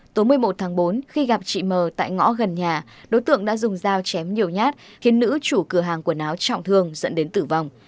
tối một mươi một tháng bốn khi gặp chị mờ tại ngõ gần nhà đối tượng đã dùng dao chém nhiều nhát khiến nữ chủ cửa hàng quần áo trọng thương dẫn đến tử vong